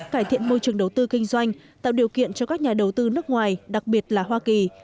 cải thiện môi trường đầu tư kinh doanh tạo điều kiện cho các nhà đầu tư nước ngoài đặc biệt là hoa kỳ